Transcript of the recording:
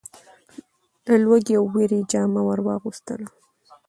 د لوږې او وېري جامه ور واغوستله .